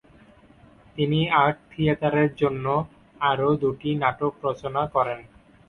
তিনি আর্ট থিয়েটারের জন্য আরও দুটি নাটক রচনা করেন।